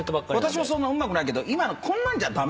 私もそんなうまくないけど今のこんなんじゃ駄目ですね。